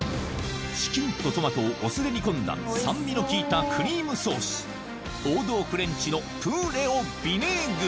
チキンとトマトをお酢で煮込んだ酸味の効いたクリームソース王道フレンチのうん！